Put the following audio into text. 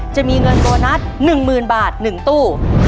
จะมีเงินโบนัส๑๐๐๐บาท๑ตู้